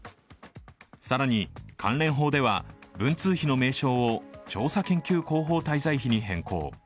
更に、関連法では文通費の名称を調査広報研究滞在費に変更。